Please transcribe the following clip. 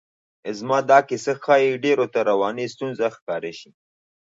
زما دا کیسه ښایي ډېرو ته رواني ستونزه ښکاره شي.